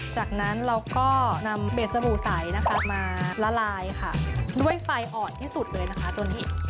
จากนั้นเราก็นำเบ็ดสบู่ใสนะคะมาละลายค่ะด้วยไฟอ่อนที่สุดเลยนะคะตัวนี้